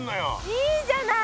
いいじゃない！